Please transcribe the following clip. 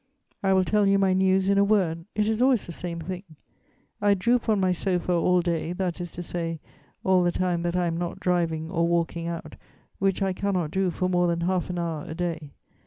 "'I will tell you my news in a word: it is always the same thing; I droop on my sofa all day, that is to say, all the time that I am not driving or walking out, which I cannot do for more than half an hour a day.